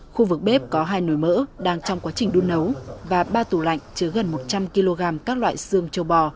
khu vực bếp có hai nồi mỡ đang trong quá trình đun nấu và ba tủ lạnh chứa gần một trăm linh kg các loại xương châu bò